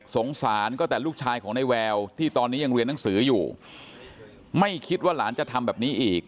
สงสารก็แต่ลูกชายของในแววที่ตอนนี้ยังเรียนหนังสืออยู่ไม่คิดว่าหลานจะทำแบบนี้อีก